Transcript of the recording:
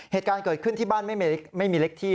เหตุการณ์เกิดขึ้นที่บ้านไม่มีเล็กที่